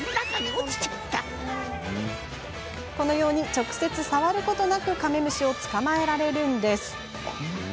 直接触ることなくカメムシを捕まえられるんです。